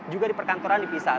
juga di perkantoran dipisah